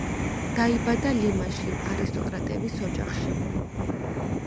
დაიბადა ლიმაში, არისტოკრატების ოჯახში.